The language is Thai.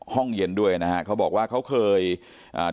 ห้องเย็นด้วยนะฮะเขาบอกว่าเขาเคยอ่า